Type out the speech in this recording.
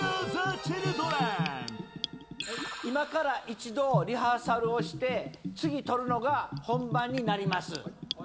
今から一度リハーサルをして次撮るのが本番になります。